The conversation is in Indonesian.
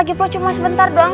gip lo cuma sebentar doang